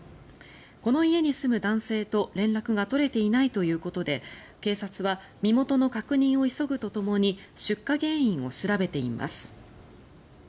この家に住む男性と連絡が取れていないということで警察は身元の確認を急ぐとともに出火原因を調べています。